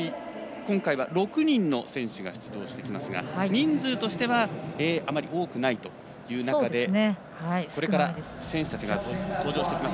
今回は６人の選手が出場してきますが人数があまり多くないという中でこれから、選手たちが登場します。